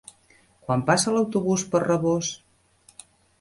Quan passa l'autobús per Rabós?